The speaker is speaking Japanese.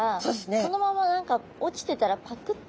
そのまま何か落ちてたらパクッて。